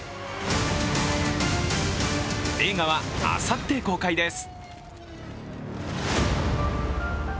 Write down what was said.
映画はあさって公開です。